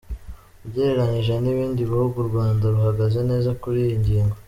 Ugereranyije n’ibindi bihugu, u Rwanda ruhagaze neza kuri iyi ngingo.